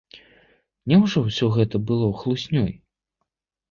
Няўжо ўсё гэта было хлуснёй?